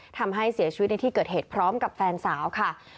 ทำให้เสียชีวิตในที่เกิดเหตุพร้อมกับแฟนสาวค่ะ